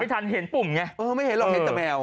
ไม่ทันเห็นปุ่มเนียไม่เล่าแต่แมว